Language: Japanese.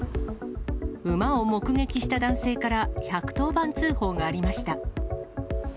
馬を目撃した男性から１１０番通報がありました。